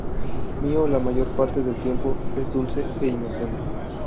Mio la mayor parte del tiempo es dulce e inocente.